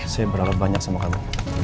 saya berharap banyak sama kami